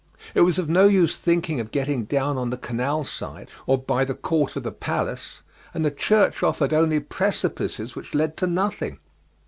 It was of no use thinking of getting down on the canal side or by the court of the palace, and the church offered only precipices which led to nothing.